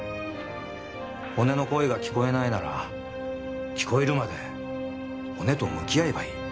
骨の声が聞こえないなら聞こえるまで骨と向き合えばいい。